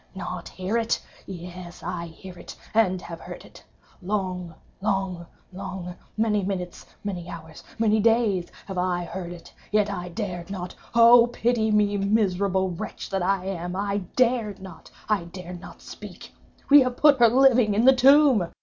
"Not hear it?—yes, I hear it, and have heard it. Long—long—long—many minutes, many hours, many days, have I heard it—yet I dared not—oh, pity me, miserable wretch that I am!—I dared not—I dared not speak! _We have put her living in the tomb!